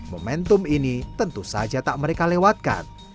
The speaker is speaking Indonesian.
momentum ini tentu saja tak mereka lewatkan